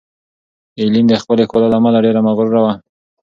ایلین د خپلې ښکلا له امله ډېره مغروره وه.